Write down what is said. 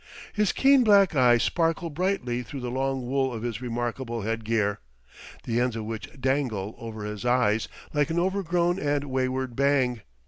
His keen black eyes sparkle brightly through the long wool of his remarkable headgear, the ends of which dangle over his eyes like an overgrown and wayward bang.